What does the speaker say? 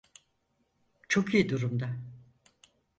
Çok iyi durumda.